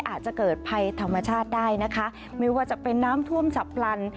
อาจจะเกิดภัยธรรมชาติได้นะคะไม่ว่าจะเป็นน้ำท่วมฉับพลัน